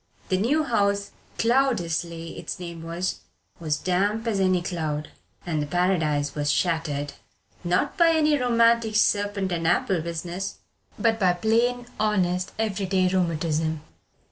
The new house "Cloudesley" its name was was damp as any cloud, and the Paradise was shattered, not by any romantic serpent and apple business, but by plain, honest, every day rheumatism.